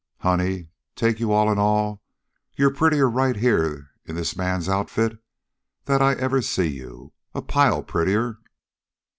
"Honey, take you all in all, you're prettier right here in this man's outfit that I ever see you a pile prettier!"